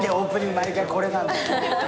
毎回これなのよ。